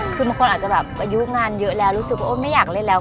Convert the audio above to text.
คือบางคนอาจจะแบบอายุงานเยอะแล้วรู้สึกว่าไม่อยากเล่นแล้ว